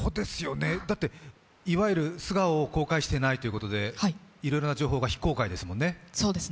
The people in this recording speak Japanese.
だって、いわゆる素顔を公開していないということでいろいろな情報が非公開ですもんね。